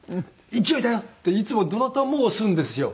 「勢いだよ」っていつもどなたも押すんですよ。